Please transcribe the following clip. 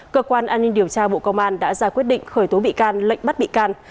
cơ quan an ninh điều tra bộ công an đã ra quyết định khởi tố bị can lệnh bắt bị can